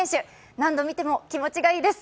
何度見ても気持ちがいいです。